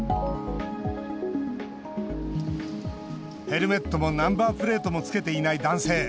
ヘルメットもナンバープレートもつけていない男性。